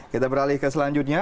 kita beralih ke selanjutnya